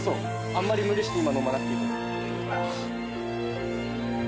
あんまり無理して今飲まなくていいと思います。